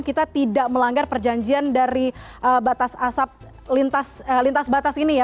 kita tidak melanggar perjanjian dari batas asap lintas batas ini ya